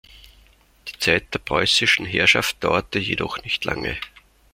Die Zeit der preußischen Herrschaft dauerte jedoch nicht lange.